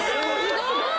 ⁉すごーい！